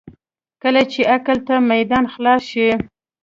کله چې عقل ته میدان خلاص شي.